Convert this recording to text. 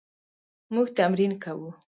موږ تمرین کوو